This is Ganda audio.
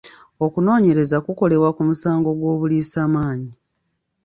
Okunoonyereza kukolebwa ku musango gw'obuliisamaanyi.